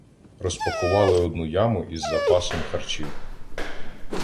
Розпакували одну яму із запасом харчів.